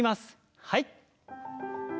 はい。